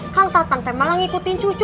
kang tatang teh malah ngikutin cucu